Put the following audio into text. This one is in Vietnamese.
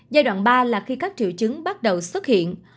giai đoạn ba là khi các triệu chứng bắt đầu xuất hiện